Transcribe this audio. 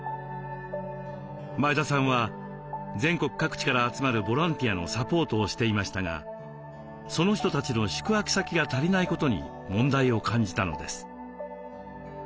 前田さんは全国各地から集まるボランティアのサポートをしていましたがその人たちの宿泊先が足りないことに問題を感じたのです。